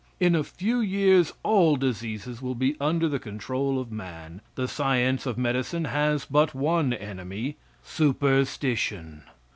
In a few years all diseases will be under the control of man. The science of medicine has but one enemy superstition.